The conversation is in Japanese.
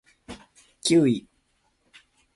キウイ